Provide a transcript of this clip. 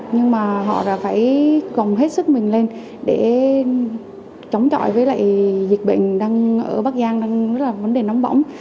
nhưng mà họ đã phải gồm hết sức mình lên để chống chọi với lại dịch bệnh đang ở bắc giang đang rất là vấn đề nóng bỏng